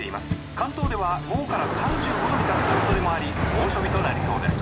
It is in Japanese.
関東では午後から３５度に達する恐れもあり猛暑日となりそうです